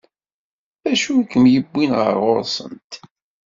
D acu i k-yewwin ɣer ɣur-sent?